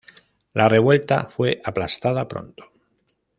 La revuelta fue aplastada pronto.